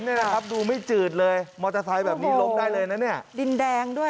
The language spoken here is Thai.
เนี่ยละครับดูไม่จืดเลยแบบนี้ลบได้เลยนะเนี่ยดินแดง